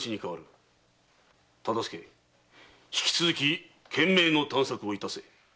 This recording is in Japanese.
忠相引き続き懸命の探索を致せ。